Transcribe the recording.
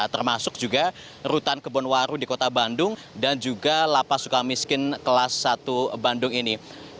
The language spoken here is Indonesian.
termasuk juga rutan kebonwaru di kota bandung dan juga lapas suka miskin kelas satu bandung ini